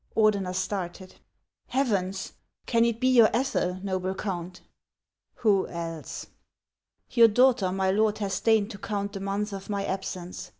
Ordener started. " Heavens ! Can it be your Ethel, noble Count ?"" Who else ?"" Your daughter, my Lord, has deigned to count the months of my absence!